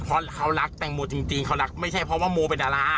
เพราะเขารักแตงโมจริงเขารักไม่ใช่เพราะว่าโมเป็นดารา